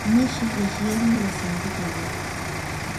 Mishi qishyayar wasinpita aywakun.